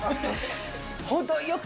程よく